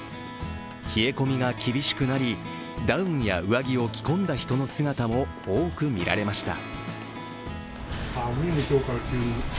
冷え込みが厳しくなりダウンや上着を着込んだ人の姿も多く見られました。